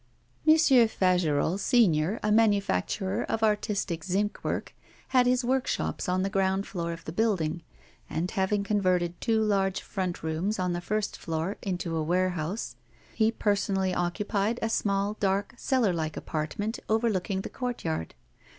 M. Fagerolles, senior, a manufacturer of artistic zinc work, had his workshops on the ground floor of the building, and having converted two large front rooms on the first floor into a warehouse, he personally occupied a small, dark, cellar like apartment overlooking the courtyard.